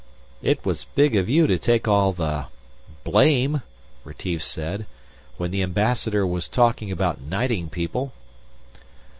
"It was big of you to take all the ... blame," Retief said, "when the Ambassador was talking about knighting people."